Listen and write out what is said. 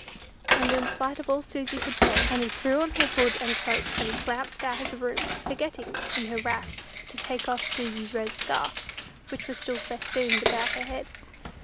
And, in spite of all Susy could say, Annie threw on her hood and cloak, and flounced out of the room; forgetting, in her wrath, to take off Susy's red scarf, which was still festooned about her head.